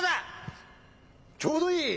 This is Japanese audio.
ちょうどいい。